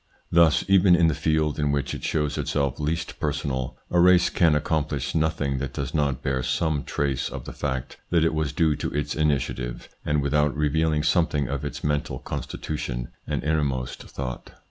Thus, even in the field in which it shows itself least personal, a race can accomplish nothing that does not bear some trace of the fact that it was due to its initiative, and without revealing something of its mental constitution and innermost thought.